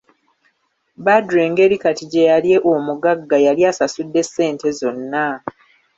Badru engeri kati gye yali omugagga yali asasudde ssente zonna.